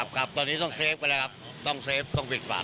ครับตอนนี้ต้องเฟฟไปแล้วครับต้องเฟฟต้องปิดปาก